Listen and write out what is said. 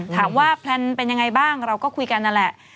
ถามว่าแพลนเป็นอย่างไรบ้างเราก็คุยกันนั่นแหละ